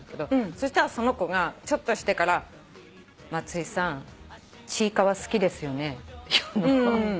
そしたらその子がちょっとしてから「松居さん『ちいかわ』好きですよね？」って言うの。